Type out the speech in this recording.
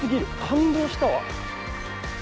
感動したわ。